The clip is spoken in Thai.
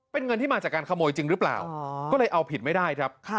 เป็นเงินที่มาจากการขโมยจริงหรือเปล่าก็เลยเอาผิดไม่ได้ครับ